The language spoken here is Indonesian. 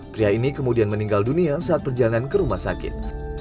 pria ini kemudian meninggal dunia saat perjalanan ke rumah sakit